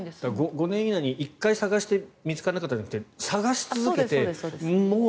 ５年以内に１回探して見つからなかったんじゃなくてそうです。